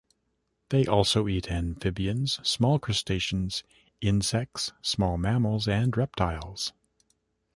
They also eat amphibians, small crustaceans, insects, small mammals and reptiles.